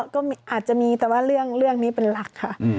ก็อาจจะมีแต่ว่าเรื่องนี้เป็นหลักค่ะ